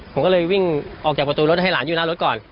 ผมก็เลยวิ่งออกจากประตูรถให้หลานอยู่หน้ารถก่อน